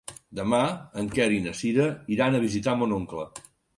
Demà en Quer i na Cira iran a visitar mon oncle.